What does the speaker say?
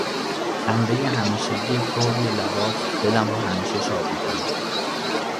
خنده همیشگی تو روی لبات دلم رو همیشه شاد میکنه